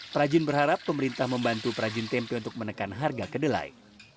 prajin berharap pemerintah membantu perajin tempe untuk menekan harga kedelai